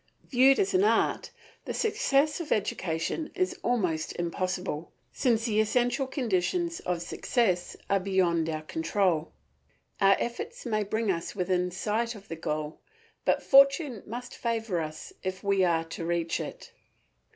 Viewed as an art, the success of education is almost impossible, since the essential conditions of success are beyond our control. Our efforts may bring us within sight of the goal, but fortune must favour us if we are to reach it.